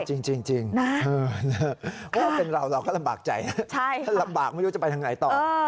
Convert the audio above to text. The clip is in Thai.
จริงว่าเป็นเราเราก็ลำบากใจลำบากไม่รู้จะไปไหนต่อ